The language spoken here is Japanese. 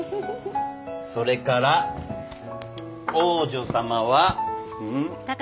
それから王女様は。